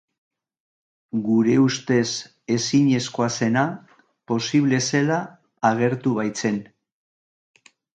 Gure ustez ezinezkoa zena posible zela agertu baitzen.